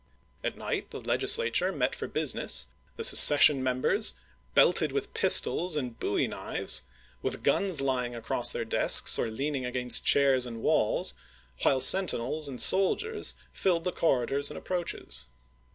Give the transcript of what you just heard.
At night the Legislature met for business, the secession mem bers belted with pistols and bowie knives, with guns lying across their desks or leaning against chairs and walls, while sentinels and soldiers filled the corridors and approaches.